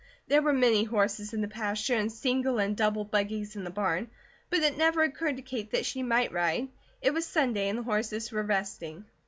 There were many horses in the pasture and single and double buggies in the barn; but it never occurred to Kate that she might ride: it was Sunday and the horses were resting.